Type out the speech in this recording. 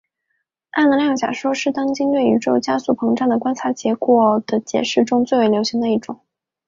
暗能量假说是当今对宇宙加速膨胀的观测结果的解释中最为流行的一种。